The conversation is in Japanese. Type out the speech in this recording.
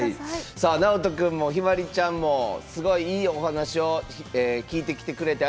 なおとくんもひまりちゃんもすごいいいお話を聞いてきてくれてありがとうございました。